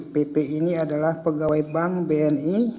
pp ini adalah pegawai bank bni